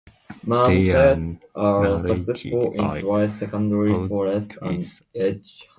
They are narrated by Otulissa.